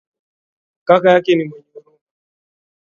Kaka yake ni mwenye huruma.